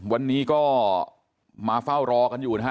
วันนี้ก็มาเฝ้ารอกันอยู่นะฮะ